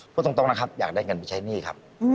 พูดตรงนะครับอยากได้เงินไปใช้หนี้ครับ